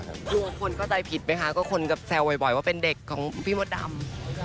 กลัวคนเข้าใจผิดไหมคะก็คนกับแซวบ่อยว่าเป็นเด็กของพี่มดดำ